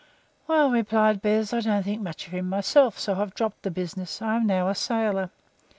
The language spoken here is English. "Well," replied Bez, "I don't think much of him myself, so I have dropped the business. I am now a sailor.